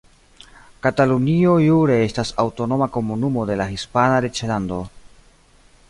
Katalunio jure estas aŭtonoma komunumo de la Hispana reĝlando.